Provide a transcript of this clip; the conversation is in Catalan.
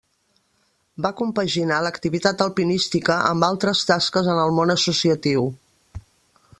Va compaginar l'activitat alpinística amb altres tasques en el món associatiu.